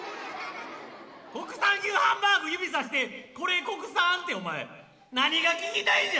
国産牛ハンバーグ指さして「これ国産？」ってお前何が聞きたいんじゃ！